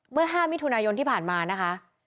เมื่อ๕มิถุนายนที่ผ่านมานะคะ